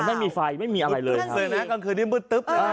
ไม่มีไฟไม่มีอะไรเลยครับ